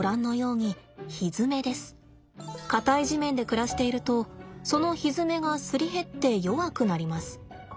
硬い地面で暮らしているとそのひづめがすり減って弱くなります。